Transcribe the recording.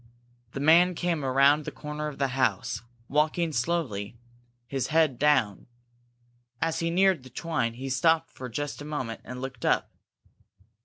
The man came around the corner of the house, walking slowly, his head down. As he neared the twine he stopped for just a moment and looked up.